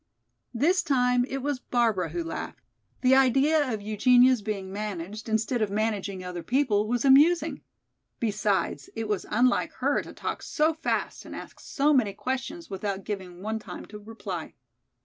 This time it was Barbara who laughed. The idea of Eugenia's being managed instead of managing other people was amusing. Besides, it was unlike her to talk so fast and ask so many questions without giving one time to reply.